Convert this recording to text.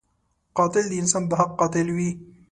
قاتل د انسان د حق قاتل وي